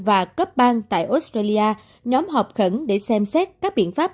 và cấp bang tại australia nhóm họp khẩn để xem xét các biện pháp